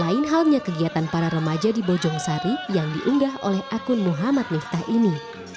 lain halnya kegiatan para remaja di bojong sari yang diunggah oleh akun muhammad miftah ini